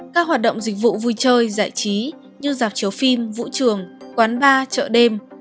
các hoạt động dịch vụ vui chơi giải trí như dạp chiếu phim vũ trường quán bar chợ đêm